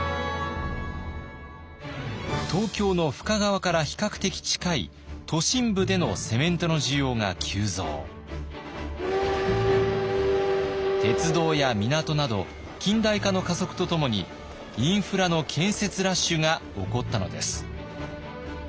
東京の深川から比較的近い鉄道や港など近代化の加速とともにインフラの建設ラッシュが起こったのです。